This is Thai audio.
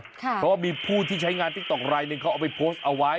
เพราะว่ามีผู้ที่ใช้งานติ๊กต๊อกลายหนึ่งเขาเอาไปโพสต์เอาไว้